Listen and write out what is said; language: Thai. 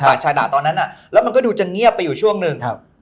ชาดะตอนนั้นอ่ะแล้วมันก็ดูจะเงียบไปอยู่ช่วงหนึ่งครับ